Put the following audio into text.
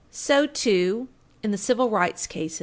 So, too, in the Civil Rights Cases, 109 U.